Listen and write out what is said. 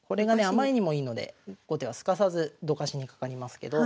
あまりにもいいので後手はすかさずどかしにかかりますけど。